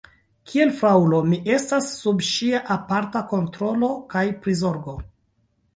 Kiel fraŭlo, mi estas sub ŝia aparta kontrolo kaj prizorgo.